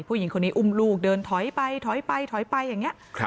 ผู้หญิงคนนี้อุ้มลูกเดินถอยไปถอยไปถอยไปอย่างนี้